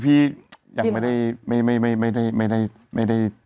พี่ยังไม่ได้